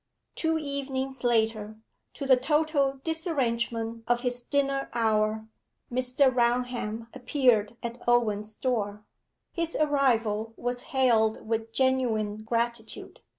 Two evenings later, to the total disarrangement of his dinner hour, Mr. Raunham appeared at Owen's door. His arrival was hailed with genuine gratitude.